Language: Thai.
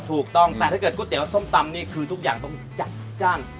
ถูกต้องแต่ถ้าเกิดก๋วยเตี๋ยวส้มตำนี่คือทุกอย่างต้องจัดจ้าน